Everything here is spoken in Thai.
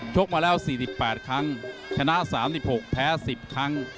กมาแล้ว๔๘ครั้งชนะ๓๖แพ้๑๐ครั้ง